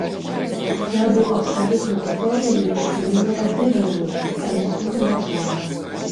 Я быў абсалютна ўпэўнены, што мяне разыгрываюць, але суму назваў.